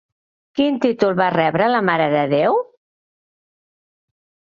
Quin títol va rebre la Mare de Déu?